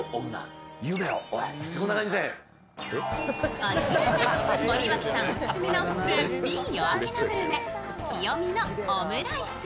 こちらが森脇さんオススメの絶品夜明けのグルメ清史のオムライス。